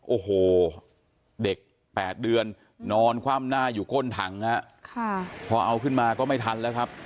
โอ้โหเด็ก๘เดือนนอนคว่ำหน้าอยู่ก้นถังฮะพอเอาขึ้นมาก็ไม่ทันแล้วครับ